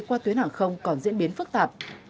qua tuyến hàng không còn diễn biến phức tạp